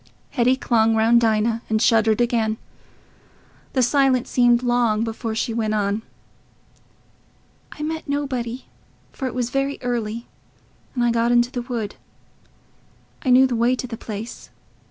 Hetty clung round Dinah and shuddered again. The silence seemed long before she went on. "I met nobody, for it was very early, and I got into the wood.... I knew the way to the place...